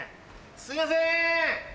すいません！